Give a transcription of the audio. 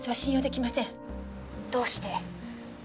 どうして？